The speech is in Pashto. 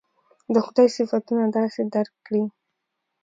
د خدای صفتونه داسې درک کړي.